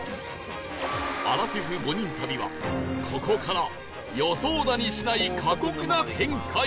アラフィフ５人旅はここから予想だにしない過酷な展開に